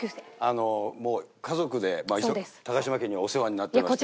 もう家族で高嶋家にはお世話になってまして。